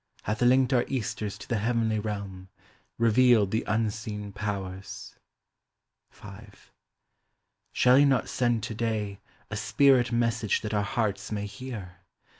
Hath linked our Easters to the heavenly realm, Revealed the unseen powers, — V. Shall he not send today A spirit message that our hearts may hear?